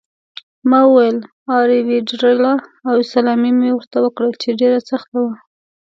ما وویل: 'A rivederla' او سلامي مې ورته وکړه چې ډېره سخته وه.